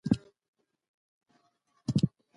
دوی په بریالیتوب برلاسي سوي دي.